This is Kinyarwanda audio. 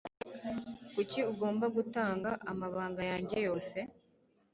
Kuki ugomba gutanga amabanga yanjye yose?